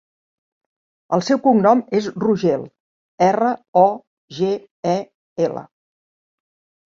El seu cognom és Rogel: erra, o, ge, e, ela.